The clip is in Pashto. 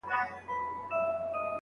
ایا لارښود د څېړني مهالوېش ټاکلی دی؟